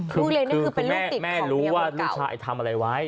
คือแม่รู้ว่าลูกชายทำอะไรไว้